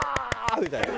みたいな。